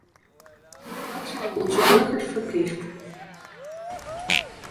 Dat zijn we onze burgers verplicht.